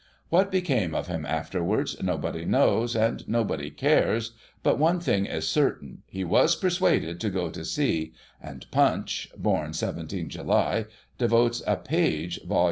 What became of him afterwards, nobody knows and nobody cares, but, one thing is certain, he was persuaded to go to sea, and Tunch (born 17 July) devotes a page (vol.